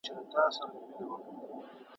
د ټانګې آس بل خواته نه ګوري `